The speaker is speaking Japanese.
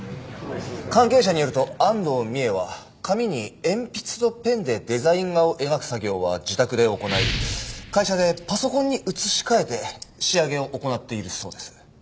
関係者によると安藤美絵は紙に鉛筆とペンでデザイン画を描く作業は自宅で行い会社でパソコンにうつし替えて仕上げを行っているそうです。